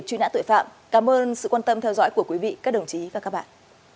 truy nã tội phạm cảm ơn sự quan tâm theo dõi của quý vị các đồng chí và các bạn